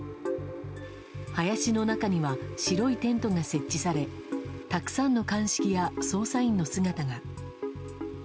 林の中には白いテントが設置されたくさんの鑑識や捜査員の姿が。